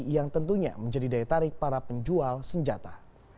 yang tentunya menjadi daya tarik para penjual senjata